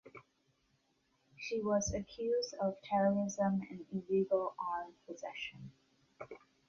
She was accused of terrorism and illegal arms possession.